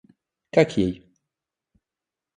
Как ей?